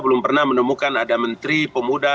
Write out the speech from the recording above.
belum pernah menemukan ada menteri pemuda